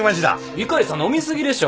碇さん飲み過ぎでしょ。